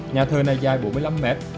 nhà thơ này dài bốn mươi năm km